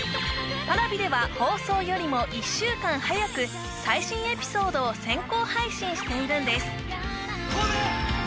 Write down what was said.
Ｐａｒａｖｉでは放送よりも１週間早く最新エピソードを先行配信しているんです小梅！